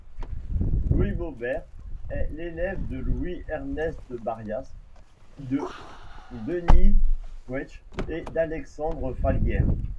Louis Maubert est l'élève de Louis-Ernest Barrias, de Denys Puech et d'Alexandre Falguière.